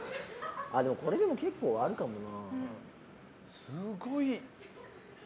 これでも結構あるかもな。